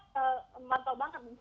hidup dengan hand sanitizer